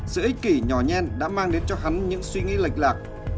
dễ ích kỷ nhỏ nhen đã mang đến cho hắn những suy nghĩ lệch lạc